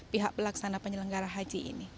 pihak pelaksana penyelenggara haji ini